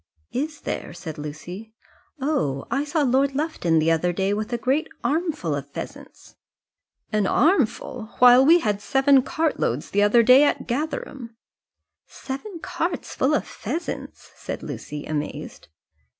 "Is there?" said Lucy. "Oh! I saw Lord Lufton the other day with a great armful of pheasants." "An armful! Why we had seven cartloads the other day at Gatherum." "Seven carts full of pheasants!" said Lucy, amazed.